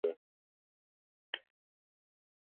সুতরাং ঐরূপ অবস্থাতেই যথার্থ কার্য করিতে সক্ষম হইবে।